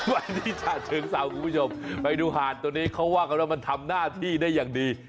วันนี้ฉะเชิงเศร้าคุณผู้ชมไปดูหาดตัวนี้เขาว่ากันว่ามันทำหน้าที่ได้อย่างดี